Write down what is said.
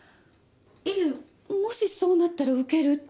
いえもしそうなったら受けるって。